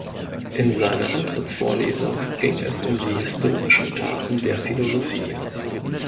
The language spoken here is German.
In seiner Antrittsvorlesung ging es um die „historischen Taten der Philosophie“.